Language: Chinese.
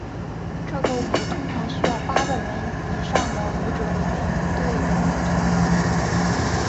这种舞通常需要八个人以上的舞者两两一对地跳。